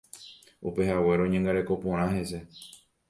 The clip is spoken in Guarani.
Upehaguére oñangareko porã hese.